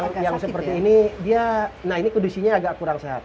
nah kalau yang seperti ini dia kondisinya agak kurang sehat